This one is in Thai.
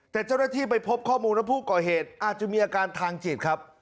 แต่เจ้าหน้าที่ไปพบข้อมูลว่าผู้ก่อเหตุอาจจะมีอาการทางจิตครับ